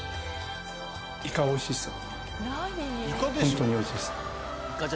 イカ、おいしいですよ。